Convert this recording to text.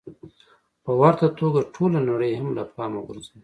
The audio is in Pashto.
په ورته توګه ټوله نړۍ هم له پامه غورځوي.